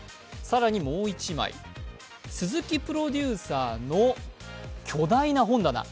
更にもう１枚、鈴木プロデューサーの巨大な本棚。